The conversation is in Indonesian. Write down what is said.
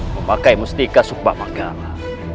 memakai mustika subma menggala